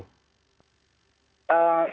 kalau dalam hitungan proses pelaksanaan ya